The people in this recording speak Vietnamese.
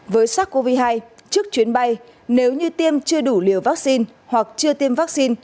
với sars cov hai trước chuyến bay nếu như tiêm chưa đủ liều vaccine hoặc chưa tiêm vaccine